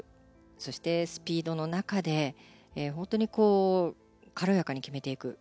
そしてスピードの中で本当に軽やかに決めていく。